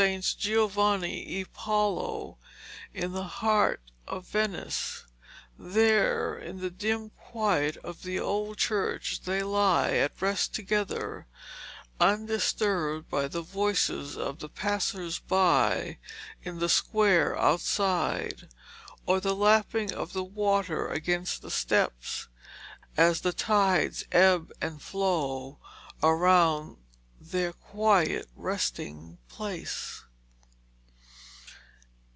Giovanni e Paolo, in the heart of Venice. There, in the dim quietness of the old church, they lie at rest together, undisturbed by the voices of the passers by in the square outside, or the lapping of the water against the steps, as the tides ebb and flow around their quiet resting place.